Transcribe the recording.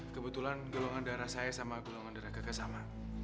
kebetulan gelongan darah saya sama gelongan darah kakak sama